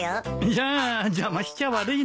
じゃあ邪魔しちゃ悪いな。